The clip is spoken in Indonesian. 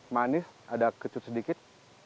manis ada kecut sedikit